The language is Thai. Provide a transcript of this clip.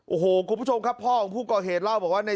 โอ้โหคุณผู้ชมครับพ่อของผู้ก่อเหตุเล่าบอกว่าใน